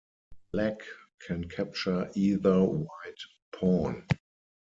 Black can capture either white pawn.